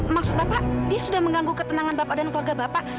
maksud bapak dia sudah mengganggu ketenangan bapak dan keluarga bapak